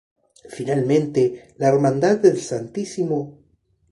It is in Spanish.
Finalmente, la Hermandad del Stmo.